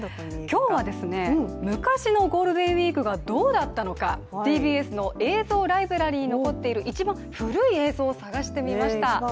今日は、昔のゴールデンウイークがどうだったのかＴＢＳの映像ライブラリーに残っている一番古い映像を探してみました。